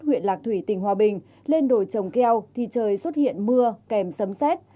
huyện lạc thủy tỉnh hòa bình lên đồi trồng keo thì trời xuất hiện mưa kèm sấm xét